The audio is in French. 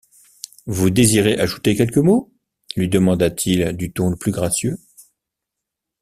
Vous désirez ajouter quelques mots? lui demanda-t-il du ton le plus gracieux.